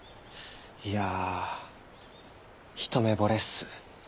いや一目惚れっす。